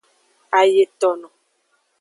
Ayetono.